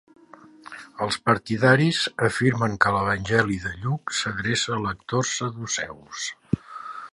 Els partidaris afirmen que l'Evangeli de Lluc s'adreça a lectors saduceus.